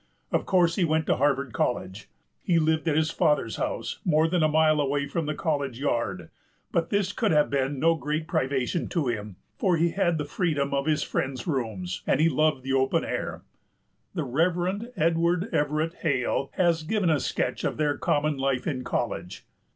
Of course he went to Harvard College. He lived at his father's house, more than a mile away from the college yard; but this could have been no great privation to him, for he had the freedom of his friends' rooms, and he loved the open air. The Rev. Edward Everett Hale has given a sketch of their common life in college.